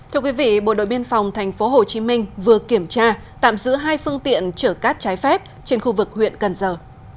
thưa quý vị bộ đội biên phòng tp hcm vừa kiểm tra tạm giữ hai phương tiện chở cát trái phép trên khu vực huyện cần giờ